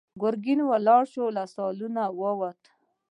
ګرګين ولاړ شو، له سالونه ووت.